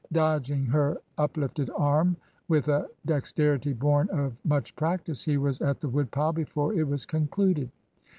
Dodging her up lifted arm with a dexterity born of much practice, he was at the woodpile before it was concluded.